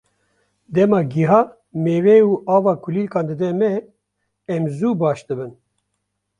Dema gîha, mêwe û ava kulîlkan dide me, em zû baş dibin.